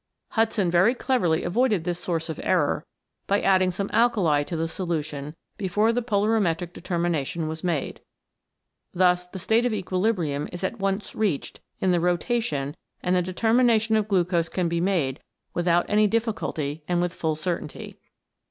Hudson very cleverlyavoided this source of error by adding some alkali to the solution before the polarimetric determination was made. Thus the state of equilibrium is at once reached in the rotation and the determinations of glucose can be made without any difficulty and with full certainty.